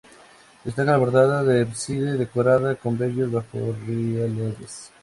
Destaca la portada del ábside, decorada con bellos bajorrelieves.